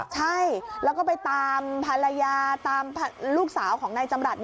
ใช่แล้วก็ไปตามภรรยาตามลูกสาวของนายจำรัฐ